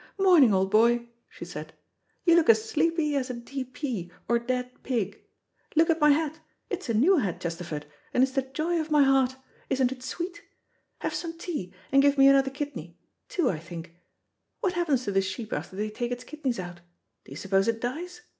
"Morning, old boy," she said, "you look as sleepy as a d. p. or dead pig. Look at my hat. It's a new hat, Chesterford, and is the joy of my heart. Isn't it sweet? Have some tea, and give me another kidney two, I think. What happens to the sheep after they take its kidneys out? Do you suppose it dies?